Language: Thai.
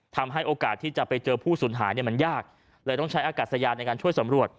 ทำให้โอกาสที่จะไปเจอผู้สูญหายเนี่ยมันยากเลยต้องใช้อากาศยานในการช่วยสำรวจ